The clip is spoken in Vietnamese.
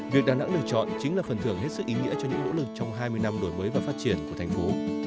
việc đà nẵng được chọn chính là phần thưởng hết sức ý nghĩa cho những nỗ lực trong hai mươi năm đổi mới và phát triển của thành phố